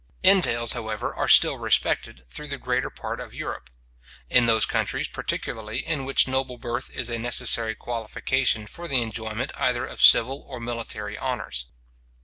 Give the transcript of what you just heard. Entails, however, are still respected, through the greater part of Europe; In those countries, particularly, in which noble birth is a necessary qualification for the enjoyment either of civil or military honours.